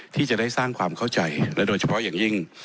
ที่จะได้สร้างความเข้าใจและโดยเฉพาะอย่างยิ่ง